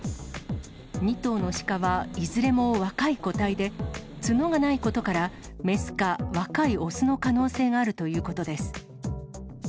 ２頭のシカはいずれも若い個体で、角がないことから、雌か若い雄の可能性があるということです。